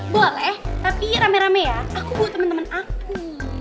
boleh tapi rame rame ya aku bawa temen temen aku